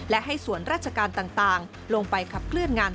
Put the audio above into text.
และให้ส่วนราชการต่างลงไปขับเคลื่อนงาน